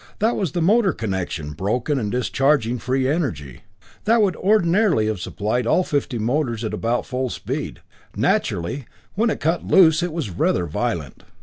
That was the motor connection, broken, and discharging free energy. That would ordinarily have supplied all fifty motors at about full speed. Naturally, when it cut loose, it was rather violent.